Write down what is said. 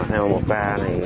theo một ca